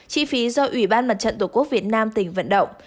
chi phí do ủy ban mặt trận tổ quốc việt nam tỉnh vận động